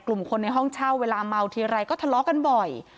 กลุ่มคนในห้องเช่าเวลาเมาทีไรก็ทะเลาะกันบ่อย